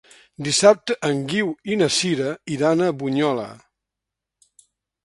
Dissabte en Guiu i na Sira iran a Bunyola.